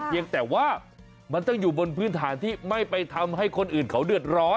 ยังแต่ว่ามันต้องอยู่บนพื้นฐานที่ไม่ไปทำให้คนอื่นเขาเดือดร้อน